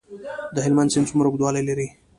د هلمند سیند څومره اوږدوالی لري؟